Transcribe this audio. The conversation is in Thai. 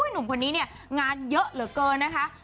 หนุ่มคนนี้เนี่ยงานเยอะเหลือเกินนะคะ